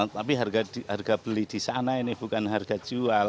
tapi harga beli di sana ini bukan harga jual